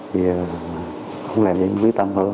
bây giờ không làm gì cũng quy tâm hơn